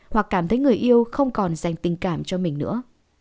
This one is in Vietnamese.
hoặc cảm thấy người yêu không còn dành tình cảm cho mình nữa